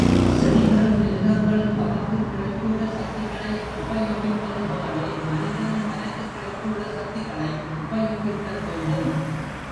செடிகளும் மிருகங்களும் தமக்குக் கிடைத்துள்ள சக்திகளை உபயோகிப்பது போலவே மனிதனும் தனக்குக் கிடைத்துள்ள சக்திகளை உபயோகித்தல் வேண்டும்.